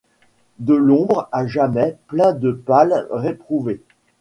De l’ombre à jamais pleins de pâles réprouvés !